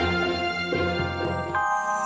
well disini sayang kedua